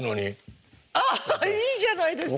あいいじゃないですか！